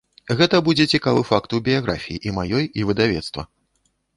Гэта будзе цікавы факт у біяграфіі і маёй, і выдавецтва.